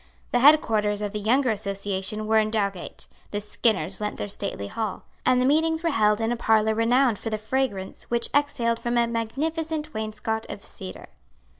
The headquarters of the younger association were in Dowgate; the Skinners lent their stately hall; and the meetings were held in a parlour renowned for the fragrance which exhaled from a magnificent wainscot of cedar.